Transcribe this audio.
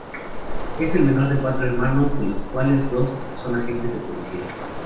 Es el menor de cuatro hermanos, de los cuales dos son agentes de policía.